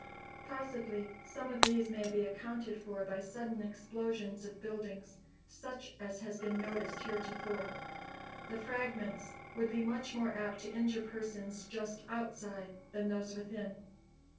Possibly some of these may be accounted for by sudden explosions of buildings, such as has been noticed heretofore. The fragments would be much more apt to injure persons just outside than those within.